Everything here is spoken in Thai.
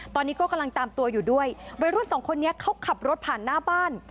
ตอนนี้ก็กำลังตามตัวอยู่ด้วยวัยรุ่นสองคนนี้เขาขับรถผ่านหน้าบ้าน